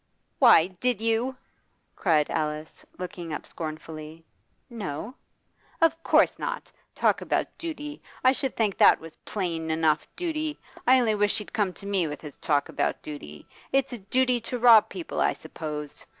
'Why, did you?' cried Alice, looking up scornfully. 'No.' 'Of course not! Talk about duty! I should think that was plain enough duty. I only wish he'd come to me with his talk about duty. It's a duty to rob people, I suppose?